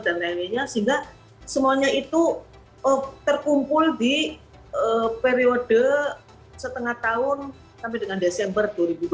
lainnya sehingga semuanya itu terkumpul di periode setengah tahun sampai dengan desember dua ribu dua puluh